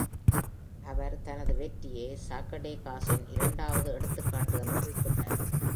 அவர் தனது வெற்றியை "சாகடேகாஸின் இரண்டாவது எடுத்துக்காட்டு" என்று குறிப்பிட்டார்.